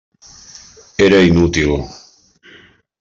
Era inútil.